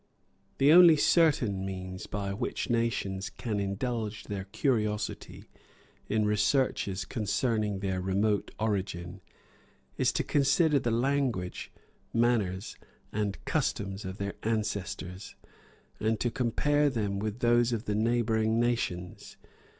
The only certain means by which nations can indulge their curiosity in researches concerning their remote origin, is to consider the language, manners, and customs of their ancestors, and to compare them with those of the neighboring nations.